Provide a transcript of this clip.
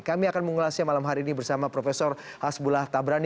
kami akan mengulasnya malam hari ini bersama prof hasbullah tabrani